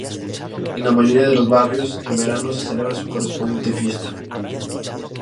En la mayoría de los barrios, en verano, se celebra su correspondiente fiesta.